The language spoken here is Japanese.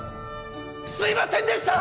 すいませんでした！